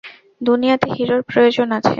দুনিয়াতে হিরোর প্রয়োজন আছে।